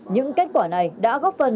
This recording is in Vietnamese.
những kết quả này đã góp phần